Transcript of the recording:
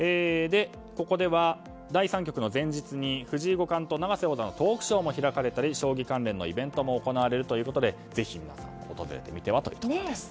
ここでは第３局の前日に藤井五冠と永瀬王座のトークショーも開かれたり将棋関連のイベントも行われるということでぜひ皆さん、訪れてみてはというところです。